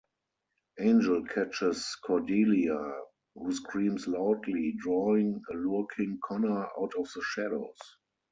Angel catches Cordelia, who screams loudly, drawing a lurking Connor out of the shadows.